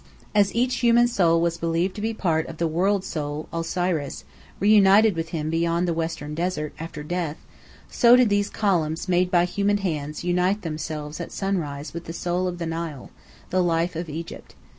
As each human soul was believed to be a part of the World Soul, Osiris, reunited with him beyond the western desert, after death, so did these columns made by human hands unite themselves at sunrise with the soul of the Nile, the life of Egypt.